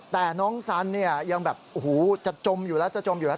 แต่น้องสันยังแบบจะจมอยู่แล้วจะจมอยู่แล้ว